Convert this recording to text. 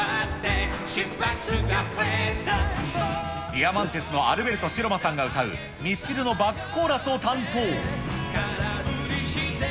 ディアマンテスのアルベルト城間さんが歌う、ミスチルのバックコーラスを担当。